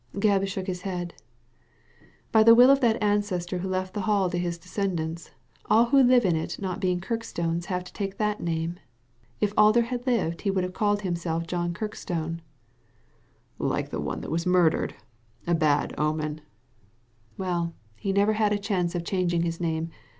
Gebb shook his head "By the will of that ancestor who left the Hall to his descendants, all who live in it not being Kirkstones have to take that name. If Alder had lived he would have called himself John Kirkstone," " Like the one that was murdered. A bad omen 1 " "Well, he never had a chance of changing his name.